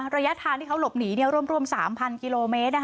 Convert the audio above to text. ระยะทางที่เขาหลบหนีร่วม๓๐๐กิโลเมตร